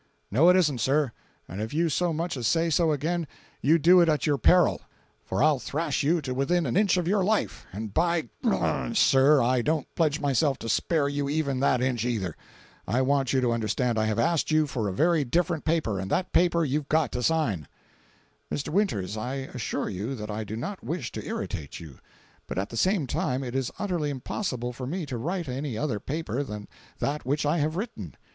"No it isn't, sir, and if you so much as say so again you do it at your peril, for I'll thrash you to within an inch of your life, and, by—, sir, I don't pledge myself to spare you even that inch either. I want you to understand I have asked you for a very different paper, and that paper you've got to sign." "Mr. Winters, I assure you that I do not wish to irritate you, but, at the same time, it is utterly impossible for me to write any other paper than that which I have written.